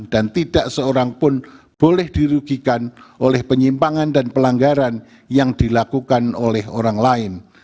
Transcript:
dan tidak seorang pun boleh dirugikan oleh penyimpangan dan pelanggaran yang dilakukan oleh orang orang